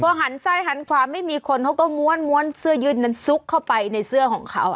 หันซ้ายหันขวาไม่มีคนเขาก็ม้วนเสื้อยืดนั้นซุกเข้าไปในเสื้อของเขา